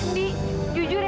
tolong ndi jujur ndi